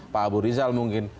pak abu rizal mungkin